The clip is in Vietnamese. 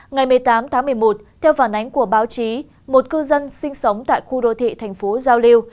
ngày một mươi tám một mươi một theo phản ánh của báo chí một cư dân sinh sống tại khu đô thị tp giao liêu